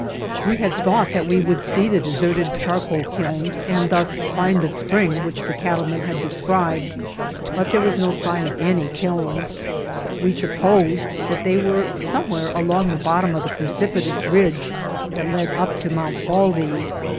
We had thought that we would see the deserted charcoal kilns and thus find the spring which the cattlemen had de scribed, but there was no sign of any kilns. We supposed that they were somewhere along the bottom of the precipitous ridge that led up to Mount Baldy.